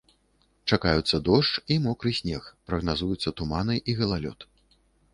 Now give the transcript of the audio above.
Чакаюцца дождж і мокры снег, прагназуюцца туманы і галалёд.